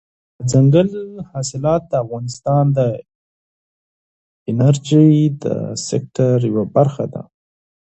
دځنګل حاصلات د افغانستان د انرژۍ د سکتور یوه برخه ده.